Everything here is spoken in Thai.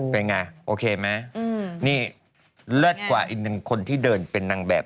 เป็นไงโอเคไหมนี่เลิศกว่าอีกหนึ่งคนที่เดินเป็นนางแบบ